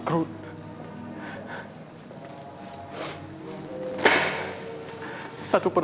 kira sesama yuri